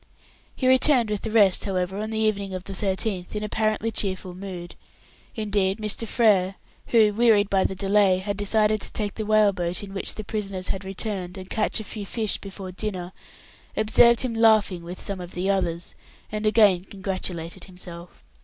He returned with the rest, however, on the evening of the 13th, in apparently cheerful mood. Indeed Mr. Frere, who, wearied by the delay, had decided to take the whale boat in which the prisoners had returned, and catch a few fish before dinner, observed him laughing with some of the others, and again congratulated himself.